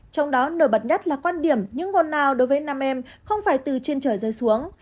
trong đó nổi bật nhất là quan điểm những môn nào đối với năm em không phải từ trên trời rơi xuống